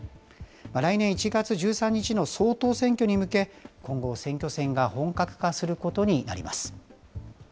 来年１月１３日の総統選挙に向け、今後、選挙戦が本格化することになります。